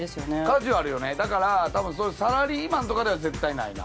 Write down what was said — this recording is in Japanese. カジュアルよねだから多分サラリーマンとかでは絶対ないな。